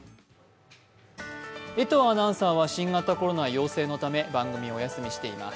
江藤アナウンサーは新型コロナ陽性のため番組をお休みしています。